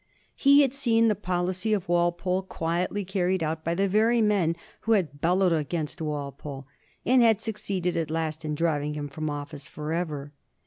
He had seen the policy of Walpole quietly carried out by the very men who had bellowed against Walpole, and had succeeded at last in driving him from office forever.